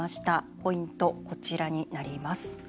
ポイント、こちらになります。